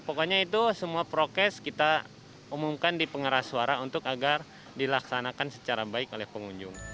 pokoknya itu semua prokes kita umumkan di pengeras suara untuk agar dilaksanakan secara baik oleh pengunjung